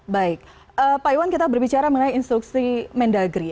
baik pak iwan kita berbicara mengenai instruksi mendagri